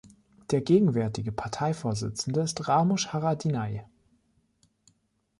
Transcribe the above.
Der gegenwärtige Parteivorsitzende ist Ramush Haradinaj.